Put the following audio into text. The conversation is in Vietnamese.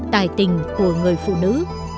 tài tình của người phụ nữ